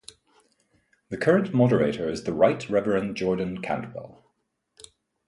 The current Moderator is The Right Reverend Jordan Cantwell.